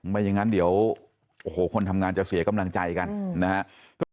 ไม่อย่างนั้นเดี๋ยวโอ้โหคนทำงานจะเสียกำลังใจกันนะครับ